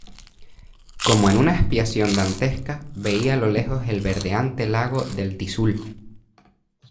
como en una expiación dantesca, veía a lo lejos el verdeante lago del Tixul